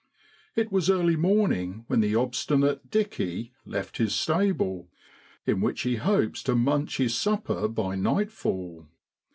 It was early morning when the obstinate ' dicky ' left his stable, in which he hopes to munch his supper by nightfall.